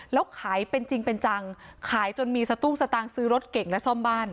แล้วขายเป็นจริงเป็นจังขายจนมีสตุ้งสตางค์ซื้อรถเก่งและซ่อมบ้าน